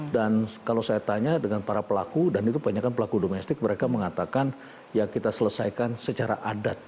dan kalau saya tanya dengan para pelaku dan itu kebanyakan pelaku domestik mereka mengatakan ya kita selesaikan secara adat